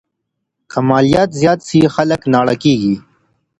که مالیات زیات سي خلګ ناړه کیږي.